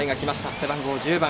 背番号１０番。